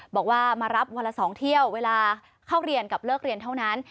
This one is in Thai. บอกว่ามารับวันละ๒เที่ยวเวลาเข้าเรียนกับเลิกเรียนเท่านั้น